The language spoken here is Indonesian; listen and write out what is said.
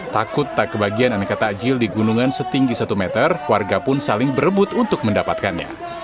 takut tak kebagian aneka takjil di gunungan setinggi satu meter warga pun saling berebut untuk mendapatkannya